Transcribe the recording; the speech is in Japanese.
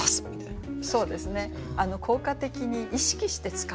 そうですね。